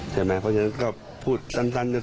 เพราะฉะนั้นก็พูดตั้น